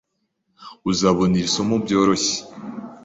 Uzabona iri somo byoroshye.